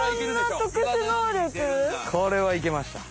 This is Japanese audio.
これはいけました。